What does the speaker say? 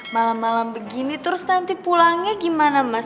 malam malam begini terus nanti pulangnya gimana mas